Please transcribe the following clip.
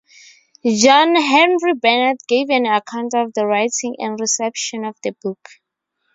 John Henry Bennett gave an account of the writing and reception of the book.